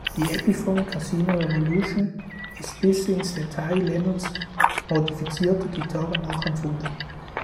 Die "Epiphone Casino Revolution" ist bis ins Detail Lennons modifizierter Gitarre nachempfunden.